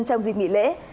trong dịp nghỉ lễ